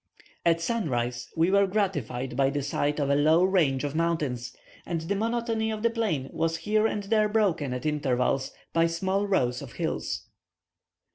At sun rise we were gratified by the sight of a low range of mountains, and the monotony of the plain was here and there broken at intervals, by small rows of hills.